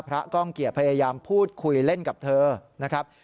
ก้องเกียจพยายามพูดคุยเล่นกับเธอนะครับ